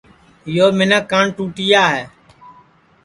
یو منکھ کانٹُٹیا ہے